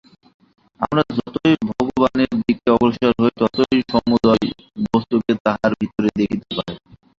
আমরা যতই ভগবানের দিকে অগ্রসর হই, ততই সমুদয় বস্তুকে তাঁহার ভিতর দেখিতে পাই।